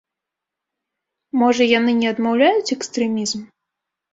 Можа, яны не адмаўляюць экстрэмізм?